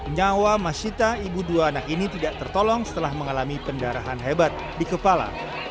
nyawa masyita ibu dua anak ini tidak tertolong setelah mengalami pendarahan hebat di kepala